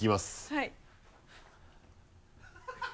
はい。